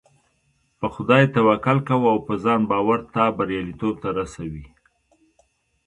په خدای توکل کوه او په ځان باور تا برياليتوب ته رسوي .